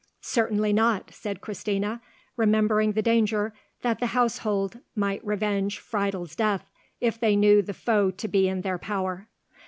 "Certainly not," said Christina, remembering the danger that the household might revenge Friedel's death if they knew the foe to be in their power.